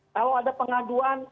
kalau ada pengaduan